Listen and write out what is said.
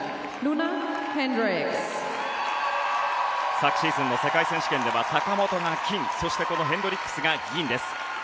昨シーズンの世界選手権では坂本が金、そしてこのヘンドリックスが銀です。